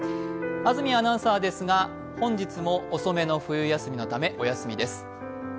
安住アナウンサーですが本日も遅めの冬休みのためお休みです。